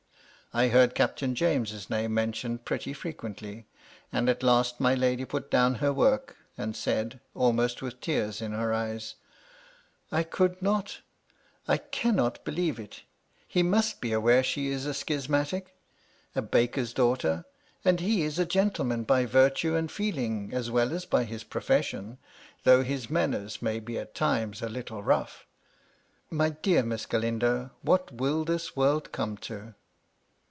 I heard Captain James's name men tioned pretty frequently ; and at last my lady put down her work, and said, almost with tears in her eyes : "I could not — I cannot believe it He must be aware she is a schismatic ; a baker's daughter ; and he is a gentleman by virtue and feeling, as well as by his profession, though his manners may be at times a little rough. My dear Miss Galindo, what will this world come to?"